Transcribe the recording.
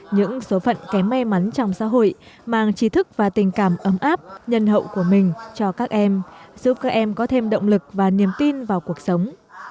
những số phận kém may mắn trong xã hội mang trí thức và tình cảm ấm áp nhân hậu của mình cho các em giúp các em có thêm động lực và niềm tin vào cuộc sống